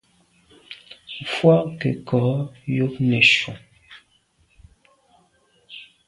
Mfùag nke nko yub neshu.